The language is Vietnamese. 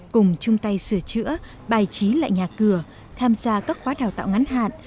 cùng chung tay sửa chữa bài trí lại nhà cửa tham gia các khóa đào tạo ngắn hạn